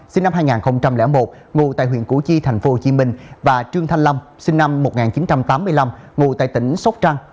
sinh năm hai nghìn một ngụ tại huyện củ chi tp hcm và trương thanh lâm sinh năm một nghìn chín trăm tám mươi năm ngủ tại tỉnh sóc trăng